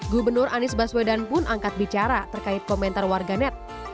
gubernur anies baswedan pun angkat bicara terkait komentar warganet